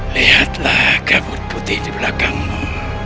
lihatlah kabut putih di belakangmu